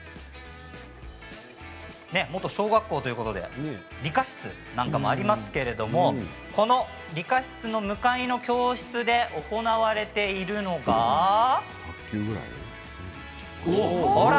元小学校ということで理科室なんかもありますけれどもこの理科室の向かいの教室で行われているのがこら！